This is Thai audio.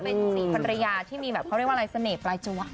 เป็นสีพันรยาที่มีแบบเขาเรียกว่าอะไรเสน่หลายจวะ